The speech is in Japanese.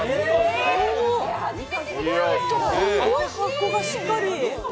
すごい、箱がしっかり。